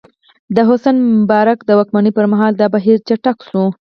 د حسن مبارک د واکمنۍ پر مهال دا بهیر چټک شو.